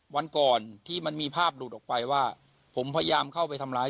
วันก่อนที่มันมีภาพหลุดออกไปว่าผมพยายามเข้าไปทำร้าย